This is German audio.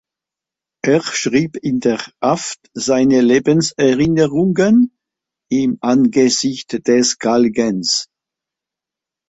Er schrieb in der Haft seine Lebenserinnerungen, „Im Angesicht des Galgens.